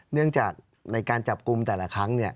เนื่องจากในการจับกลุ่มแต่ละครั้ง